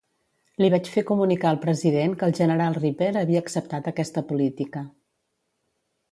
Li vaig fer comunicar al president que el general Ripper havia acceptat aquesta política.